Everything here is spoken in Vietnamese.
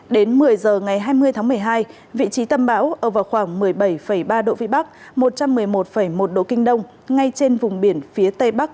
đến một mươi giờ ngày hai mươi tháng một mươi hai vị trí tâm bão ở vào khoảng một mươi bảy ba độ vĩ bắc một trăm một mươi một một độ kinh đông ngay trên vùng biển phía tây bắc